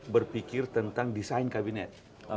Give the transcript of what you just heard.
berpikir tentang desain kabinet